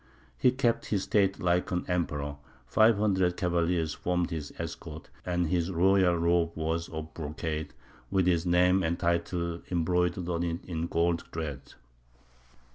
He kept his state like an emperor; five hundred cavaliers formed his escort, and his royal robe was of brocade, with his name and titles embroidered on it in gold thread.